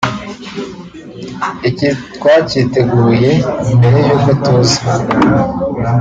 Iki twacyiteguye mbere y’uko tuza